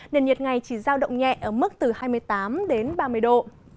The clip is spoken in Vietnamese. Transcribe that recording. nền nhiệt ngày chỉ giao động nhẹ ở mức từ hai mươi tám đến ba mươi độ